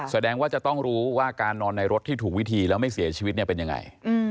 แสดงว่าจะต้องรู้ว่าการนอนในรถที่ถูกวิธีแล้วไม่เสียชีวิตเนี่ยเป็นยังไง